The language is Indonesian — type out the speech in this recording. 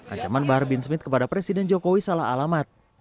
ancaman bahar bin smith kepada presiden jokowi salah alamat